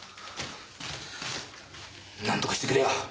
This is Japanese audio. なんとかしてくれよ！